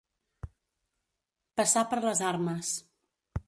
Passar per les armes.